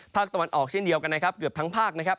ภาคตะวันออกเช่นเดียวกันนะครับเกือบทั้งภาคนะครับ